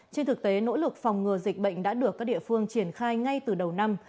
trên thực tế nỗ lực phòng ngừa dịch bệnh đã được các địa phương triển khai ngay từ đầu năm